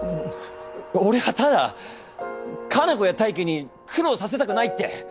俺はただ可南子や泰生に苦労させたくないって。